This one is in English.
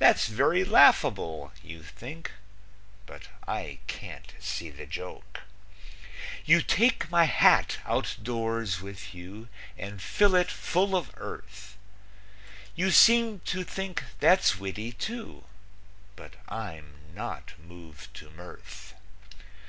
That's very laughable, you think But I can't see the joke You take my hat outdoors with you And fill it full of earth; You seem to think that's witty, too, But I'm not moved to mirth.